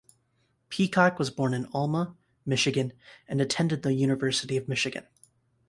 Peacock was born in Alma, Michigan, and attended the University of Michigan.